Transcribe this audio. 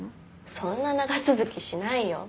そんな長続きしないよ。